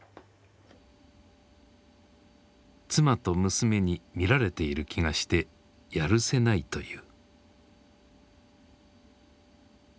妻と娘に見られている気がしてやるせないという。